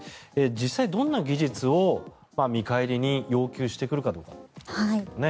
実際、どんな技術を見返りに要求してくるかですね。